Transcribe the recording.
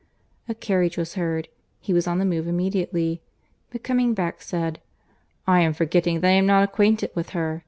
A carriage was heard. He was on the move immediately; but coming back, said, "I am forgetting that I am not acquainted with her.